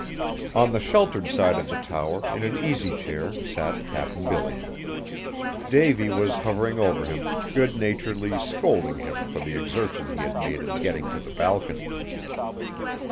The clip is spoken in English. On the sheltered side of the tower, in an easy chair, sat Cap'n Billy. Davy was hovering over him, good naturedly scolding him for the exertion he had made in getting to the balcony.